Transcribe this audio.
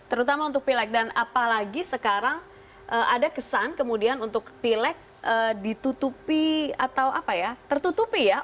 terutama untuk pileg dan apalagi sekarang ada kesan kemudian untuk pilek ditutupi atau apa ya tertutupi ya